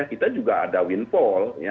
kita juga ada windfall